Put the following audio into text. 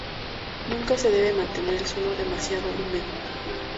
Nunca se debe mantener el suelo demasiado húmedo.